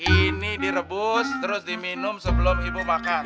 ini direbus terus diminum sebelum ibu makan